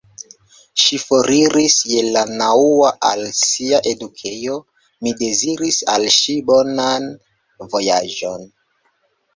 Ŝi foriris je la naŭa al sia edukejo; mi deziris al ŝi bonan vojaĝon.